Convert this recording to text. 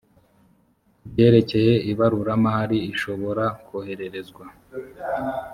ku byerekeye ibaruramari ishobora kohererezwa